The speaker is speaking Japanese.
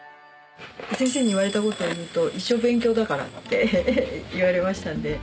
先生に言われた事をいうと「一生勉強だから」って言われましたんで。